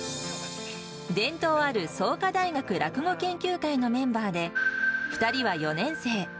伝統ある創価大学落語研究会のメンバーで、２人は４年生。